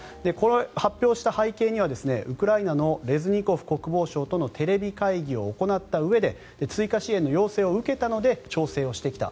発表した背景にはウクライナのレズニコフ国防相とのテレビ会議を行ったうえで追加支援の要請を受けたので調整をしてきた。